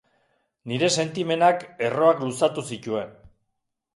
Nire sentimenak erroak luzatu zituen.